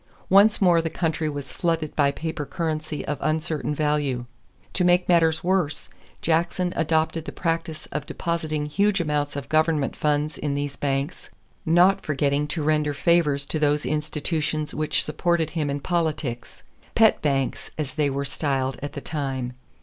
Once more the country was flooded by paper currency of uncertain value. To make matters worse, Jackson adopted the practice of depositing huge amounts of government funds in these banks, not forgetting to render favors to those institutions which supported him in politics "pet banks," as they were styled at the time.